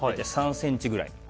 大体３ｃｍぐらい。